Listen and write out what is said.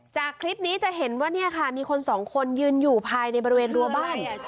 จากคลิปนี้จะเห็นว่าเนี่ยค่ะมีคนสองคนยืนอยู่ภายในบริเวณรัวบ้าน